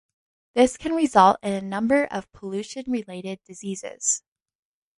This can result in a number of pollution-related diseases.